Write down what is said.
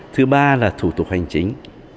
thứ ba là thủ tục hành chính